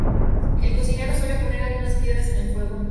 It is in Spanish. El cocinero suele poner algunas piedras en el fuego.